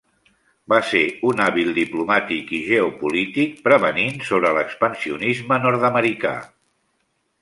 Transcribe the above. Va ser un hàbil diplomàtic i geopolític prevenint sobre l'expansionisme nord-americà.